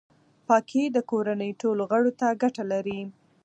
پاکي د کورنۍ ټولو غړو ته ګټه لري.